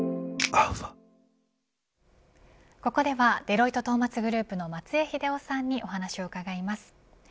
ここではデロイトトーマツグループの松江英夫さんにお話を伺います。